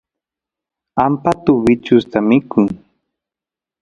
ampatu bichusta mikun